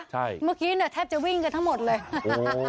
ใช่เมื่อกี้แทบจะวิ่งกันทั้งหมดเลยโอ้โห